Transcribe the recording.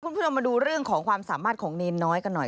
คุณผู้ชมมาดูเรื่องของความสามารถของเนรน้อยกันหน่อย